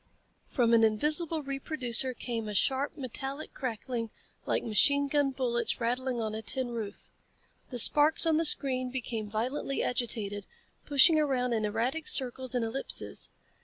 From an invisible reproducer came a sharp, metallic crackling like machine gun bullets rattling on a tin roof. The sparks on the screen became violently agitated, pushing around in erratic circles and ellipses.